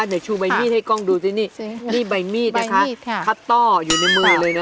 เนี่ยชูใบมีดไหลมืออยู่ในมือเลยนะ